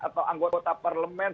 atau anggota parlemen